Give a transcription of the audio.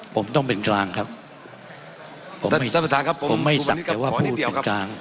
ผมต้องเป็นกลางครับผมไม่สักแต่ว่าพูดเป็นกลาง